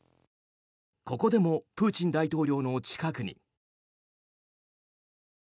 ここでもプーチン大統領の近くに。